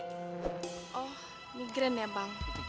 oh migren ya bang